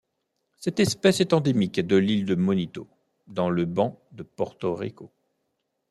Cette espèce est endémique de l'île de Monito dans le banc de Porto Rico.